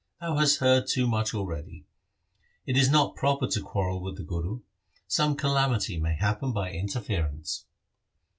Thou hast heard too much already. It is not proper to quarrel with the Guru. Some calamity may happen by interference.'